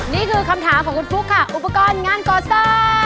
นี่คือคำถามของคุณฟลุ๊กค่ะอุปกรณ์งานก่อสร้าง